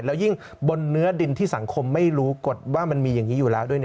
แล้วยิ่งบนเนื้อดินที่สังคมไม่รู้กฎว่ามันมีอย่างนี้อยู่แล้วด้วย